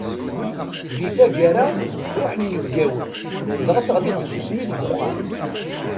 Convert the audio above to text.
Di tagara, ruḥen inebgawen, dɣa teɣlid tsusmi deg uxxam.